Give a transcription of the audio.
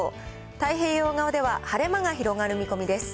太平洋側では晴れ間が広がる見込みです。